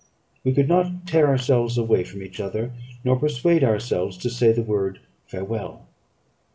We could not tear ourselves away from each other, nor persuade ourselves to say the word "Farewell!"